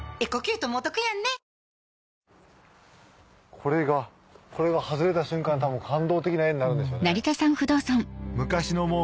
これがこれが外れた瞬間多分感動的な画になるんでしょうね。